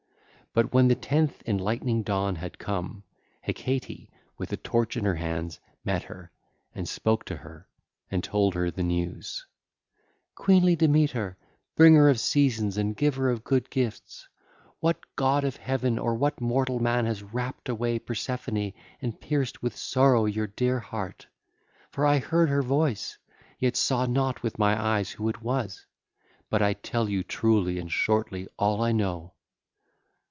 But when the tenth enlightening dawn had come, Hecate, with a torch in her hands, met her, and spoke to her and told her news: (ll. 54 58) 'Queenly Demeter, bringer of seasons and giver of good gifts, what god of heaven or what mortal man has rapt away Persephone and pierced with sorrow your dear heart? For I heard her voice, yet saw not with my eyes who it was. But I tell you truly and shortly all I know.